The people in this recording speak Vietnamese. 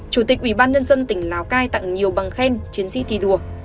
chủ tịch ubnd tỉnh lào cai tặng nhiều bằng khen chiến sĩ thi đùa